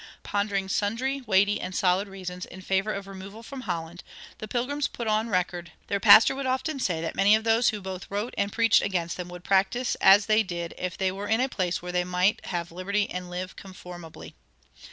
Pondering "sundry weighty and solid reasons" in favor of removal from Holland, the pilgrims put on record that "their pastor would often say that many of those who both wrote and preached against them would practice as they did if they were in a place where they might have liberty and live conformably."